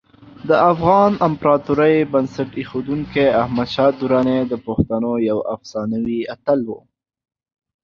د افغان امپراتورۍ بنسټ ایښودونکی احمدشاه درانی د پښتنو یو افسانوي اتل و.